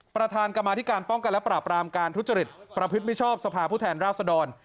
ประธานกรรมอาทิการป้องกันและพราบรามการทุษฎฤดประภิกษ์มิชชอบสภาพุทแทนราวสดร